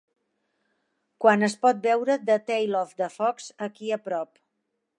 Quan es pot veure The Tale of the Fox aquí a prop